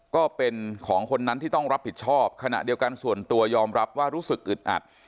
ก็เป็นของคนนั้นที่ต้องรับผิดชอบขณะเดียวกันส่วนตัวยอมรับว่ารู้สึกอึดอัด